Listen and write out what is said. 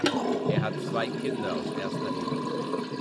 Er hat zwei Kinder aus erster Ehe.